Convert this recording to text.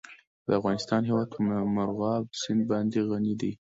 د افغانستان هیواد په مورغاب سیند باندې غني دی.